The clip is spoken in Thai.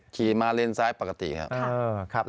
ขี่มาเลนซ้ายปกติครับ